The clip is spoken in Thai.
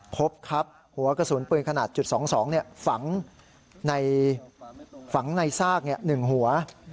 พบครับหัวกระสุนปืนขนาดจุด๒๒ฝังในซาก๑หัว